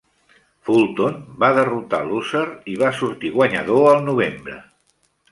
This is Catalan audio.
Fulton va derrotar Loser i va sortir guanyador al novembre.